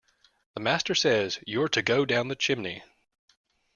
The master says you’re to go down the chimney!